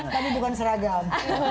tapi bukan seragam